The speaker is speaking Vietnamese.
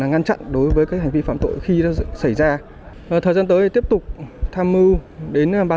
ngăn chặn đối với các hành vi phạm tội khi xảy ra thời gian tới tiếp tục tham mưu đến ban